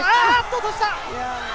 落とした！